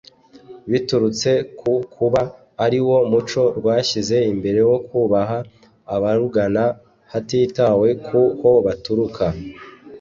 biturutse ku kuba ari wo muco rwashyize imbere wo kubaha abarugana hatitawe ku ho baturuka